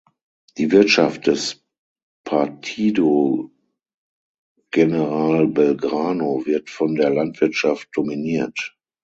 Die Wirtschaft des Partido General Belgrano wird von der Landwirtschaft dominiert.